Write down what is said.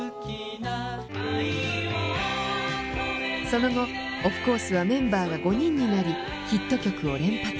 その後オフコースはメンバーが５人になりヒット曲を連発。